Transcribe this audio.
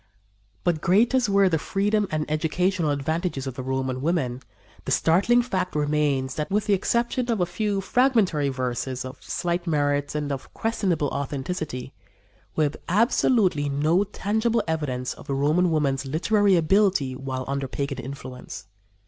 But great as were the freedom and educational advantages of the Roman women, the startling fact remains that, with the exception of a few fragmentary verses of slight merit and of questionable authenticity, we have absolutely no tangible evidence of the Roman woman's literary ability while under pagan influence.